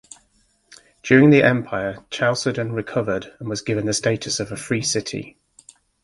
During the Empire, Chalcedon recovered, and was given the status of a free city.